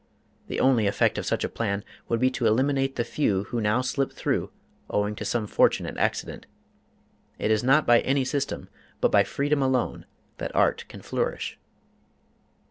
The only effect of such a plan would be to eliminate the few who now slip through owing to some fortunate accident. It is not by any system, but by freedom alone, that art can flourish.